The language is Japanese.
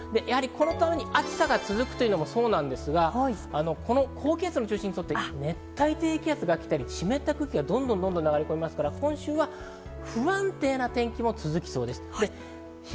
このために、暑さが続くのもそうなんですが、高気圧の中心に熱帯低気圧がきたり湿った空気がどんどん来るので今週は不安定な天気も続きそうです。